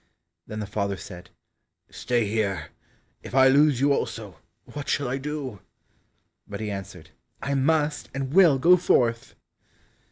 Then the father said, "Stay here, if I lose you also, what shall I do?" But he answered, "I must and will go forth!"